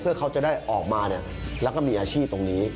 เพื่อเขาจะได้ออกมาแล้วก็มีอาชีพตรงนี้